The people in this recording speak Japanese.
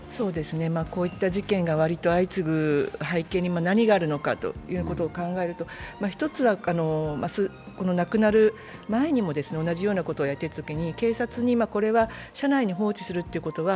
こういった事件が相次ぐ背景に何があるのかを考えると一つは、亡くなる前にも同じようなことをやっていたときに、警察にこれは車内に放置するということは